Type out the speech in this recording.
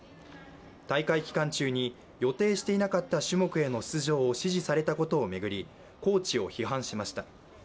大会期間中に予定していなかった種目への出場を指示されたことをめぐりコーチを批判しました。